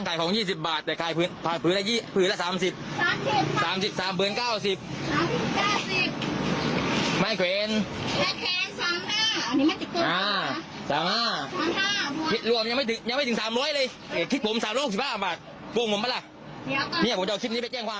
เดี๋ยวผมจะเอาคลิปนี้ไปแจ้งความครับ